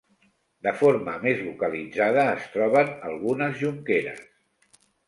De forma més localitzada es troben algunes jonqueres.